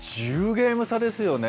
１０ゲーム差ですよね。